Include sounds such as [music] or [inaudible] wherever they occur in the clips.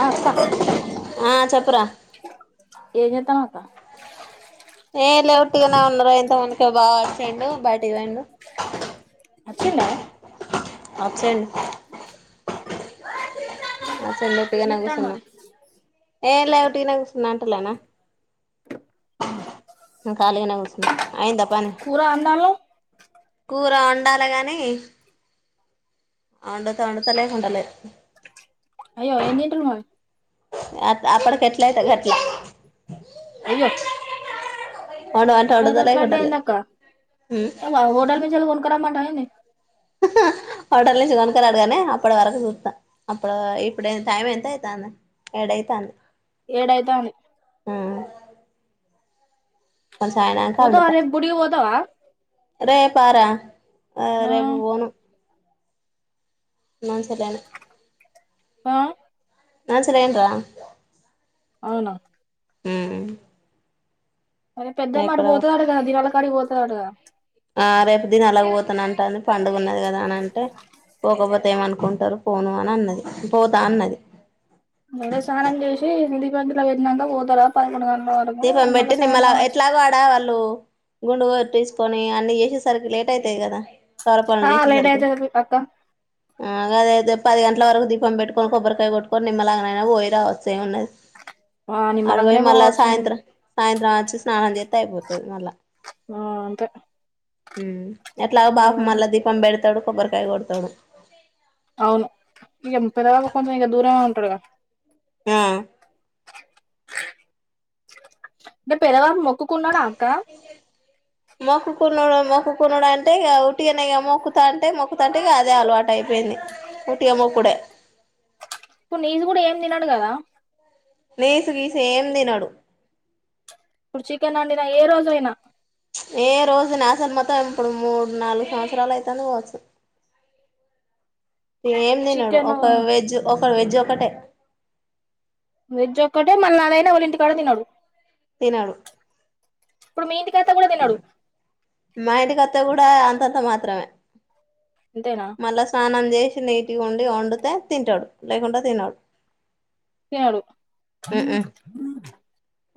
ఆ అక్క ఆ చెప్పురా ఎమ్ చెత్తనవ్ ఆ ఏ లే ఒట్టిగానే ఉన్నారు ఇంత మునకనే బావ వచ్చిండు బయటికి పోయిండు వచ్చిండ వచ్చిండు [unintelligible] ఏం ఒట్టిగానే చేత్తాండు కూర్చున్న మరి ఏ లే ఒట్టిగానే కూర్చున్నంటలేనా కాలిగా కూర్చు అయింద పని కూర అందాలు కూర వండాలి గానీ వండితే వండుత లేకుంటె లేదు అయ్య ఏనిట్లు అ అప్పుడికి కట్లాయతే గట్లా అయ్యో వండమంటే ఎట్లయితే వండుతా అట్లా లేకుంటలేదు అంటయిందిక్క హోటల్ నుంచి వెళ్ళ కొనుకు రమ్మంట హోటల్ నుంచి కొనుకలేడుగానే అప్పటి వరకు చూస్తాం అప్పుడు ఇప్పుడ టైం ఎంత అయితంది ఏడైతుంది ఏడు అయితంది కొంచం అయినంకా పోతావా వండుతా రేపు గుడికి పోతావా రేపా ర ఆ రేపు పోను మంచిధని ఆ నా [unintelligible] అవునా హు అదే పెద్దమ్మ ఆటికి పోతాదాంట కదా దివాలా కాటికి పోత కదా ఆ రేపు దినాలకు పోతానుంట అని పండుగ ఉన్నది కదా అని అంటే పోకపోతే ఏమనుకుంటారు పోను అని అన్నది పోతాను అన్నది ముందు స్నానం చేసి [unintelligible] దీపం మళ్ళీ పెట్టి నిమ్మల్లా సాయంత్రం వచ్చి ఎట్లాగ వాడా వాళ్ళు గుండు తీసుకొని అన్ని చేసేసరికి లేట్ అయితాయి కదా వాళ్ళ ఆ పనులు లేట్ చేసేసరికి అవుతుంది అక్క అదే [unintelligible] పది గంటల వరకు దీపం పెట్టుకొని కొబ్బరికాయ కొట్టుకొని నిమ్మల్లాగనైనా పోయి రావచ్చే ఏ ఉన్నది ఆ నిమ్మలంగనే పోవచ్చునే త్ర సాయంత్రం వచ్చి స్నానం చేత్తే అయిపోతాది మళ్ళా ఆ అంతే ఆహ్ ఎట్లాగ బాప అలా మళ్ళా దీపం పెడతాడు కొబ్బరికాయ కొడతాడు అవును ఇగా పెద్దవల్లాకి కొంచం ఇగా దూరమే ఉంటాడుగా ఆ అంటే పెదవారం ఒప్పుకున్నాడా అక్క మొక్కుకునుడు మొక్కునుడు అంటే ఇ ఉటియనే మొక్కుతా అంటే మొక్కుతంటే ఇ అదే అలవాటు అయిపోయింది ఉటిగా మొక్కుడే ఇప్పుడు నీజు కూడా ఏం తినడు కదా నేసు గీసి ఏం తినడు ఇప్పుడు చికెన్ అండినా ఏ రోజు అయినా ఏ రోజు నాసలు మొత్తం ఇప్పుడు మూడు నాలుగు సంవత్సరాలు అయిత కావచ్చు ఏం తినడు చికెన్ ఒక వెజ్ ఒక వెజ్ క్కటే వెజ్ ఒక్కటే మళ్ళీ నాదైనా ఎవరు ఇంటికాడ తినడు [unintelligible] ఇప్పుడు మీ ఇంటి మా ఇం నువ్వు కూడా అంతంత మాత్రమే అంతేనా మల్ల స్నానం చేసి వెరైటీగా వండడితే తింటాడు లేకపోతే తినడు ఏడు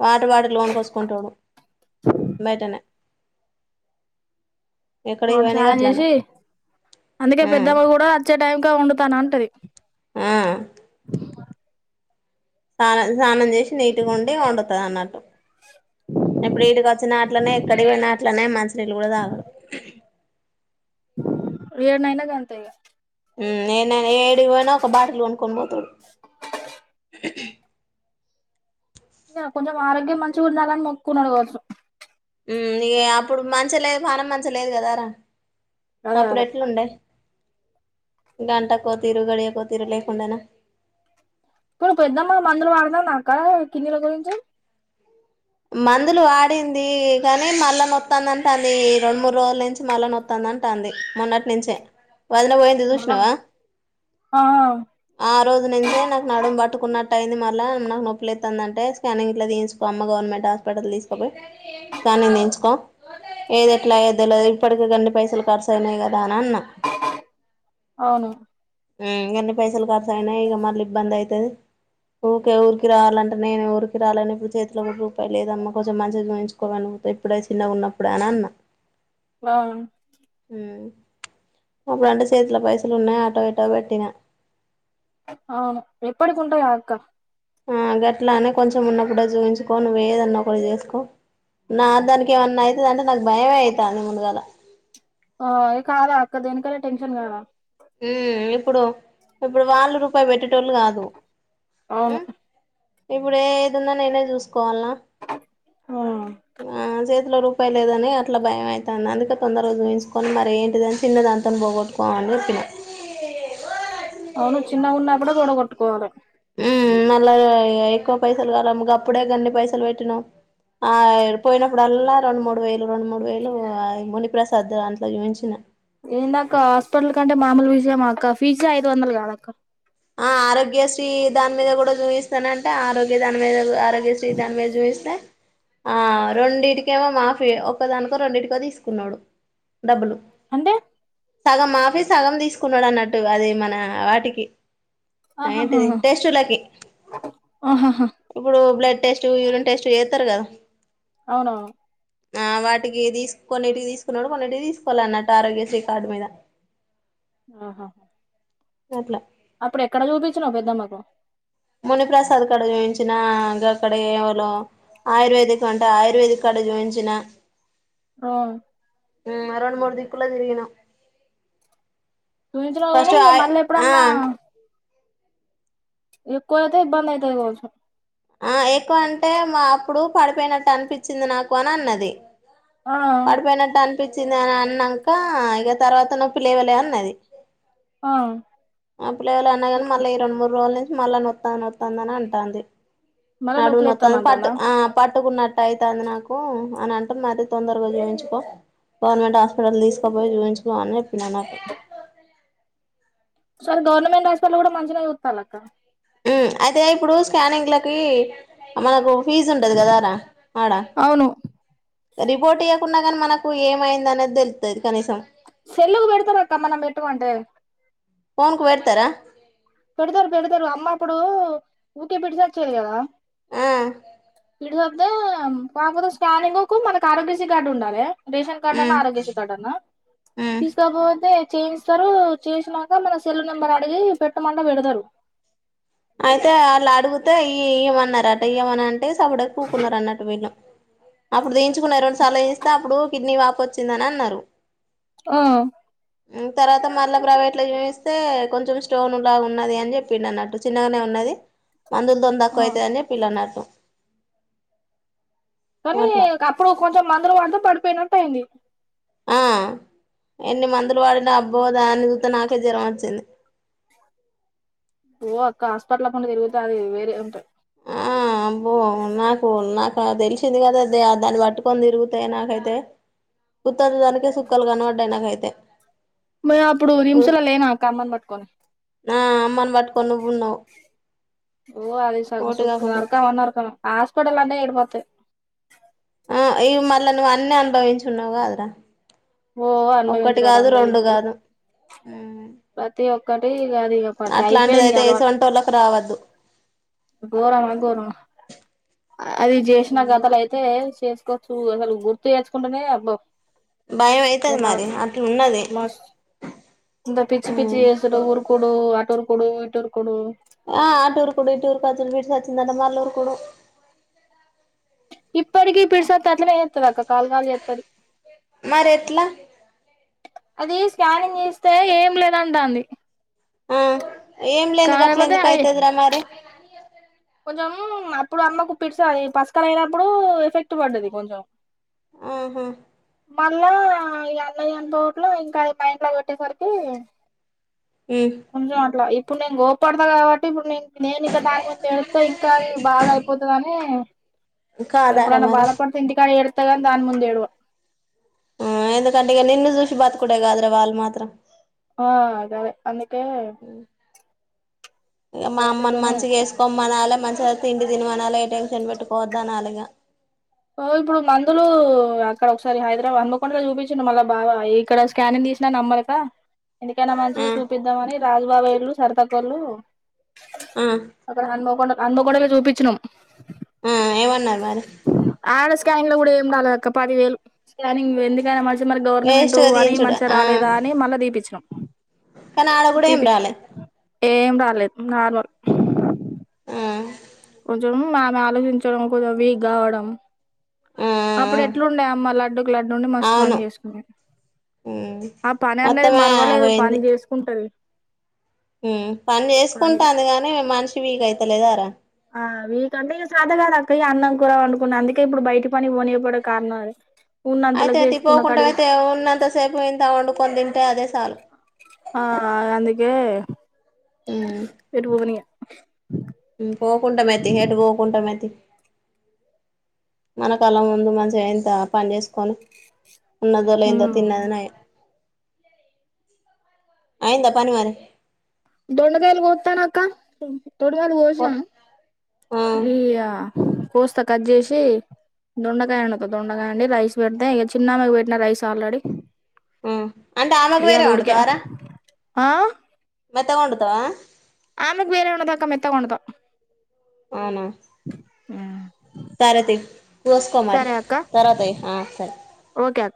వాటర్ బాటిల్ లోన్ కో వసుకుంటాడు బయటనే ఎక్కడికి పోయినా రంసార్ గట్లనే చేసి అందుకే ఆ పెద్దవ్వ కూడా వచ్చే టైం కి వండుతాను అంటది ఆ స్నాన స్నానం చేసి నీటిగా ఉండి వండుతంది అన్నట్టు ఇప్పుడు వీటికి వచ్చినట్లనే ఎక్కడి పోయినట్లనే మంచినీళ్ళు కూడా తాగరు ఏదైనా గంతే ఇ హు నేనైనా ఏడు పోనా ఒక బాటిల్ కొనుక్కొని పోతాడు కొంచెం ఆరోగ్యం మంచిగా ఉండాలని మొక్కున్నాడు కావచ్చు హు అప్పుడు మంచి లేదు పానం మంచి లేదు కదార అదే అప్పుడు అదే ఎట్లుండే గంటాకో తిరుగడియకు తిరుగలేకున్నానె ఇప్పుడు పెద్దమ్మ మందులు వాడతాందా అక్క కిన్నీల గురించి మందులు వాడింది కానీ మళ్ల నొత్తాందంటాన్ది రొండు మూడు రోజుల నుంచి మళ్ల నొత్తాందంటాన్ది మొన్నటి నుంచే వదన పోయింది చూషినవా? ఆ ఆ రోజు నుంచే నాకు నడుము పట్టుకున్నట్టు అయింది, మల్లా నాకు నొప్పిలేతాందంటే స్కానింగ్ ఇట్లా దీయించుకో అమ్మ గవర్నమెంట్ హాస్పిటల్ తీసుకోపోయి, స్కానింగ్ తీయించుకో ఏది ఎట్లా అయిదో తెల్వదు, ఇప్పుటికే గన్ని పైసలు ఖర్చుయినాయి కదా దానన్నా అవును హ్మ్ గన్ని పైసలు కా సైనా ఇగ మళ్ళీ ఇబ్బంది అయితది ఊకే ఊరికి రావాలంటే నేను ఊరికి రాలేను, ఇప్పుడు చేతిలో కూడా రూపాయి లేదమ్మా కొంచెం మంచిగా జూయించుకోమను, ఇప్పుడే చిన్నగా ఉన్నప్పుడే అని అన్న ఆ అప్పుడంటే చేతిలో పైసలు ఉన్నాయి, ఆట గీటా కట్టినా ఆ ఎప్పటికి ఉంటాయా అక్క ఆ గట్లానే కొంచెం ఉన్నప్పుడే చూయించుకో, నువ్వు ఎదన్నా పడి చేసుకో, నా దానికి ఏమన్నా అయితే దాంతో నాకు భయం అయితాంది ముందుగల ఆ కాదక్కా, దేనికైనా టెన్షన్ కదా ఊమ్ ఇప్పుడు ఇప్పుడు వాళ్ళు రూపాయి పెట్టి టోలు కాదు అవును ఉమ్ ఇప్పుడు ఏదున్నా నేనే చూస్ కోవాల్నా ఆ ఆహ్ జేత్ చేతిలో రూపాయి లేదని అట్లా భయం అయితాంది, అందుకే తొందరగా చూయించుకొని మరి ఏంటిదని చిన్న దానితోని పోగొట్టుకోమని చెప్పిన అవును చిన్నగున్నప్పుడే పొడగొట్టుకోవాలె హ్మ్ మళ్ళా ఇగ ఎక్కువ పైసలు కాలె, గప్పుడే గన్ని పైసలు పెట్టినావ్ ఆ పోయినప్పుడల్లా రెండు మూడు వేలు రెండు మూడు వేలు ఆ మునిప్రసాద్ దాంట్లో జూయించిన ఏందాక్క హాస్పిటల్ కంటే మామూలు విషయమా అక్క ఫీజే ఐదు వందలు కాదక్క ఆ ఆరోగ్యశ్రీ దాని మీద కూడా జూయిస్తానంటే ఆరోగ్య దాని మీద కుడా ఆరోగ్య శ్రీ దాని మీద జూయిస్తే ఆ రెండింటికేమో మాఫీ ఒక్కదానికో రెండింటికో తీసుకున్నాడు డబ్బులు అంటే సగం మాఫీ సగం తీసుకున్నాడు అన్నట్టుగా అది మన వాటికి అ ఆహాహా ఏంటిది టెస్టలకి ఆహాహా ఇప్పుడు బ్లడ్ టెస్ట్ యురిన్ టెస్ట్ చెత్తారు కదా అవునా ఆ వాటికి తతీసుకొన్నిటికి తీసుకున్నాడు, కొన్నిటికి తీసుకోలె అన్నట్టు ఆరోగ్య శ్రీ కార్డు మీద ఆహా గట్లా అప్పుడు ఎక్కడ చూపించినావు పెద్దమ్మకు మునిప్రసాద్ కాడ చూయించినా, గక్కడ ఎవలో ఆయుర్వేదిక్ అంటే ఆయుర్వేదిక్ కాడ చూయించిన ఆ ఉ రెండ్ మూడు దీక్కులో తిరిగిన చూయించినావు గాని మళ్ళీ ఎప్పుడన్నా ఎక్కువైతే ఇబ్బందాయితది గావచ్ ఆ ఎక్కువ అంటే మా అప్పుడు పడిపోయినట్టు అనిపించింది నాకు అని అన్నది ఆ పడిపోయినట్టు అ నప్పించింది అని అన్నాంకా ఇగ తర్వాత నొప్పి లేవలే అన్నది ఆ అప్పులవళ అన్నా కానీ మళ్ళీ ఈ రెండు మూడు రోజులు మళ్ళా నొత్తా నొస్తాందని అంటాంది మళ్ళీ నడుము నత్త పట్ నొప్పులేత్తందంటనా పాటుకున్న అవుతాంది నాకు అని అంటూమది తొందరగా చూపించుకో, గవర్నమెంట్ హాస్పిటల్ తీసుకోపోయి చూయించుకో చెప్పినా నాకు స గవర్నమెంట్ హాస్పిటల్ కూడా మంచిగా చూతారు క మ్ అయితే ఇప్పుడు స్కానింగ్ లకి మనకు ఫీస్ ఉండది కదా ఆర ఆడా అవును రిపోర్ట్ ఈయ్యకుండ నీ మనకు ఏమయింద అనేది తెలుతది సెల్లుకు పెడతారు అక్కమ్మనం పెట్టుకోంటే ఫోన్కు వెర్తర పెడతరు పెడతరు అమ్మ అప్పుడు ఊకే పెడిస వచ్చారు కదా ఆ ఇడుద్దా కాకపోతే స్కానింగ్ కు మనకు ఆరోగ్యశీ కార్డు ఉండాలే రేషన్ కార్డ్ అనా ఉమ్ ఆరోగ్యశీ కార్డు అనా ఉమ్ తీసుకోకపోతే చేయిస్తరు చేసినాక మన సెల్ నెంబర్ అడిగి పెట్ ఎట్ట మళ్ళ పెడతరు అయితే అళ్లా అడుగితే ఈ ఇయ మన్నారట ఏమని అంటే అంటే స సాపుడడా కూకునన్నారు అన్నట్టు వెళ్ళ అప్పుడు దయించుకున్నారు రెండు సార్లు తీయిస్తే అప్పుడు కిడ్నీ వాప వచ్చిందని అన్నరు ఓ తర్వాత మళ్ళ ప్రైవేట్ లో చీవిస్తే కొంచెం స్టోన్ లాగా ఉన్నది అని చెప్పిడు అన్నట్టు చిన్నగనే ఉన్నది మందుల తో దకువ అవుతా అని చెప్పిల్ల నాకు తనీ అట్లా కప్పుడు కొ కొ మందలు పడతే పడిపోయినట్టు అయింది ఆ ఎన్ని మందులు వాడినా అబ్బోదా అని చూస్త నాకే జ్వరం వచ్చింది ఓ అక్క హాస్పిటల్ లో పండా తిరుగితే అది వేరే ఉంటాయి ఆ అబ్బో నాకు నాకు తెలిసింది కదా దాన్ని పట్టుకొని తిరుగుతాయి నాకైతే కుత్తదు దానికే సుక్కాలు కనపడ్డాయి నాకైతే నే అప్పుడు నిమిషంలో లేనక్క అమ్మని బట్టుకొని ఆ అమ్మన్ బట్ ఓ అది స ఓటు కాకుండా సగసుకుమర్కమన్నారు కాని హాస్పిటల్ అన్నే ఏడుపోతే ఆ ఇవి మళ్ళా నువ్వు అన్ని అనుభవించున్నావు కాదురా ఓ ఒక్కటి అనుభవించుడాటా తుడాడు కాదు రెండు అనుభవించుడు కాదు ప్చ్ ప్రతి ఒక్ కంటే ఇగ ఐపేనా పట్ అయిపోయింది అట్లాంటిదయితే అలవాటు ఏసోంటోళ్ళకి రావద్దు గోరమ గోరమ అది జేసిన కథలు అయితే చేస్ కోచ్చు ఏమన్న గుర్తు చేేసుకుంటేనే అబ్బో భయం ఇగ అయితది మరి మార్చ్ అట్ల ఉన్నది లాస్ ఇంత పిచ్చి పిచ్చి చేేస్తుడు ఉరుకుడు అటురుకు కుడు ఇటురుకుడు ఆ అటురుకుడు ఇటురు కాచ్చ వీటు సచ్చింద అంట మల్లురుకుడు ఇప్పటికీ పిడుసత్తే అట్లనే చేత్తదక్క కాలు కాలు చేతది మరి ఎట్లా అది స్కానింగ్ దీస్తే ఏం లేదంటాంది ఆ ఏమ్లెంది కాకపోతే అది గట్లందుకైతదరా మరి కొంచెం అప్పుడు అమ్మకు పిడ్చ పస్కర్ అయినప్పుడు ఎఫెక్ట్ వడ్డది కొంచెం ఆహా మళ్ళా ఈ అన్నయ్యన్న డోప్ల ఇంకా [unintelligible] కొట్టేసరికి కొంచెం అట్లా ఇప్పుడు నేను గోప్పడతా గావట్టి ఇప్పుడు నేన్ నేను ఇంక దాని ముందు ఇంకా అది బాగా అయిపోతదని కాదారా ఎప్పుడన్న మరి బాదపడితె ఇంటికాడ ఎడ్ తగని దాన్ ముందేడువ ఊ ఎందుకంటె ఇగ నిన్ను జూషి బత్కుడేగాద్ర వాల్మాత్ త్రం ఆ అదదే అందు తే ఇగ మా అమ్మని మంచిగా ఏసుకోమనలె మంచి త తిండి తినిమానలె ఏ టైన్షన్ పెట్టుకోవద్దా అనలిగ ఓ ఇప్పుడు మందులు అక్కడ ఒకసారి హైదరాబాద్ హన్మకొండ చూపించుండు మళ్ళ బాబ ఇక్కడ స్కానింగ్ తీసిన నెంబర్క ఎందుకైనా ఆ మంచిది చూపిద్దామని రాజుబాబేలు సరతకోలు ఆ అప్పుడు హనుమకొండాక్ అన్మకొండల చూపిచినమ్ ఆ ఏమన్నారు అరు స్కకానింగ్ లో కూడా ఏండాల అ పదివే స్కకానింగ్ ఎందుకే మళ్ళ గవర్నమెంట్ వేస్ట్గా అని తీయించుడు మంచిగా ఆ రాలేదా అని మళ్ళీ దీపచ్చినం కానీ ఆడ కూడా ఏం రాలే ఏం ర [unintelligible] నార్మల్ ఆ కొంచెం ఆమె ఆలోచించడం కొంచెం వీక్ కావడం ఆ ఆ అప్పుడు ఎట్లుండేయ అమ్మ లడ్డుకు లడ్డు ఉండి మస్తు పని అవును చేసుకునే, ఆ పని అనేది మొత్తమే మరవలేదు పని చేసుకుంటది మ్ పని పని చేసుకుంటాంది గాని మనిషి వీక్ తలదారా ఆ వీకంటే ఇక శద కాదు అక్క అన్నం కూరవ అనుకున్న అందుకే ఇప్పుడు బయట పని పోనియపోడే కారణం అది అయితే అయితే పోకుండా అయితే ఉన్నంత సేపు ఇంత వండు కొ దంటే అదే చాలు ఆ అందుకే వెరు పోవని పోకుంంటాం అయితి హేడ్ పోకుంటాం అతి మనకళ ముందు మంచిగా ఎంత పని చేసుకొని ఉన్నదోల ఎంద తిన్నద నయా అయ్యిందా పని మారి దొండదయల్ కొత్తనక్కా తోడు వాళ్ళ కొసనవ ఆ ఇగ కోస్తా కట్ చేసి దొండకాయ అన్నత దొండకాయ అండి రైస్ పెడితే ఇక చిన్నమాకి పెట్టిన రైస్ ఆల్రెడీ అంటే ఆమెకు ఇగ వేరే అది ఉడికే వండుతావర ఆ మొత్తం వండుతావా ఆమెగ వేరె ఉండదాక మెత్తగా వండదు అవునా మ్ సర తి కొస్కో మరి అక్క తరవాత ఏయి సరే ఓకే అక్క